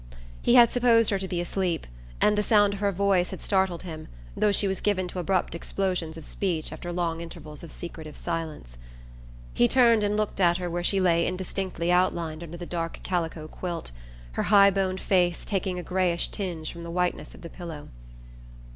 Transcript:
He had supposed her to be asleep, and the sound of her voice had startled him, though she was given to abrupt explosions of speech after long intervals of secretive silence. He turned and looked at her where she lay indistinctly outlined under the dark calico quilt, her high boned face taking a grayish tinge from the whiteness of the pillow.